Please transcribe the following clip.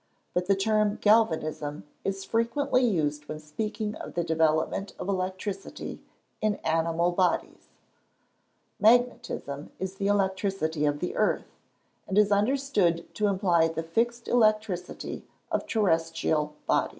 But the term Galvanism is frequently used when speaking of the development of electricity in animal bodies. Magnetism is the electricity of the earth, and is understood to imply the fixed electricity of terrestrial bodies.